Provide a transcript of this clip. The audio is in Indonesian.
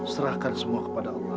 serahkan semua kepada allah